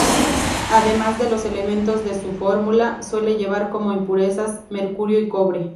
Además de los elementos de su fórmula, suele llevar como impurezas: mercurio y cobre.